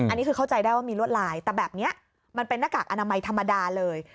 อันนี้คือเข้าใจได้ว่ามีลวดลายแต่แบบนี้มันเป็นหน้ากากอนามัยธรรมดาเลย